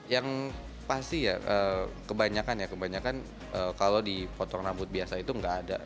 yang pasti ya kebanyakan ya kebanyakan kalau dipotong rambut biasa itu nggak ada